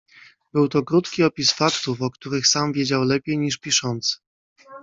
"Był to krótki opis faktów, o których sam wiedział lepiej, niż piszący."